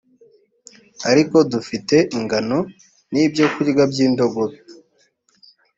ariko dufite ingano n’ibyokurya by’indogobe